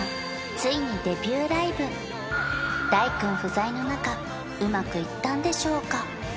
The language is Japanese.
ついにデビューライブ大くん不在の中うまくいったんでしょうか？